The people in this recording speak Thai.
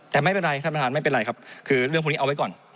แต่ไม่เป็นไรที่ดีแล้วแทนไม่เป็นไรครับคือเรื่องคุณเอาไว้ก่อน